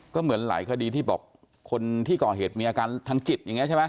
ก็เหมือนหลายคดีที่บอกคนที่ก่อเหตุมีอาการทางจิตอย่างนี้ใช่ไหม